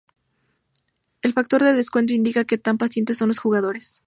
El factor de descuento indica que tan pacientes son los jugadores.